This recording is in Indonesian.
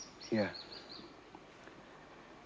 tidak ada seseorang yang tahu sampai saat ini